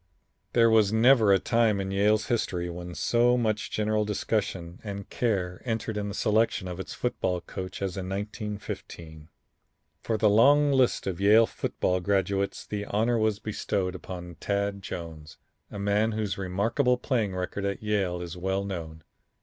There was never a time in Yale's history when so much general discussion and care entered into the selection of its football coach as in 1915. From the long list of Yale football graduates the honor was bestowed upon Tad Jones, a man whose remarkable playing record at Yale is well known.